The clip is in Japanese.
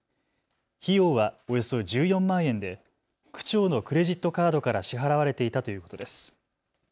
費用はおよそ１４万円で区長のクレジットカードから支払われていたということです。